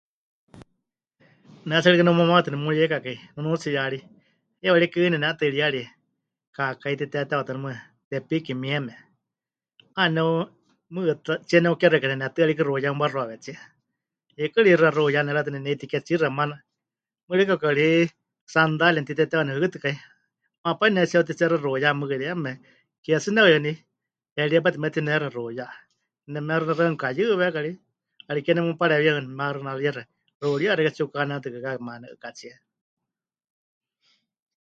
Ne tsɨ rikɨ neumamawetɨ nemuyeikakai nunuutsiyari, heiwa rikɨ nene'atɨiríyarie kaakái titetewatɨ waníu mɨɨkɨ Tepiki mieme, 'aana neu... mɨɨkɨ tatsíe neheukexɨaka nenetɨ́a rikɨ xuuyá mɨwaxuawetsie, hiikɨ rixɨa xuuyá nera'eriwatɨ neneitiketsixɨa maana, mɨɨkɨ rikɨ kauka paɨrí sandalía mɨtitetewa nehɨkɨtɨkai, maana pai pɨnetsiheutitsexɨa xuuyá mɨɨkɨ yeme, ke tsɨ ne'uyɨní, heríe pai tɨ metinexɨa xuuyá, nemexɨnaxɨ́ani mɨkayɨwékai ri, 'ariké nemupareewíya maxɨnaríexɨa, xuuriya xeikɨ́a tsipɨkahanetɨkɨkákai maana ne'ɨkatsíe.